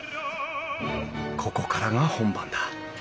ここからが本番だ。